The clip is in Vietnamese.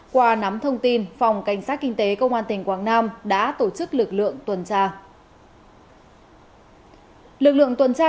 qua nắm thông tin phòng cảnh sát kinh tế công an tỉnh quảng nam đã tổ chức lực lượng tuần tra